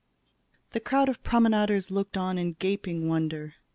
"The crowd of promenaders looked on in gaping wonder.